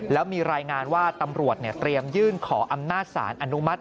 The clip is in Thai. แล้วมีรายงานว่าตำรวจเตรียมยื่นขออำนาจสารอนุมัติ